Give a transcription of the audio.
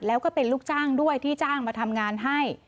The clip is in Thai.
แล้วก็เป็นลูกจ้างด้วยที่จ้างมาทำงานให้